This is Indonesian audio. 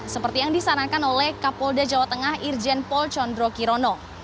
seperti yang disarankan oleh kapolda jawa tengah irjen paul condro kirono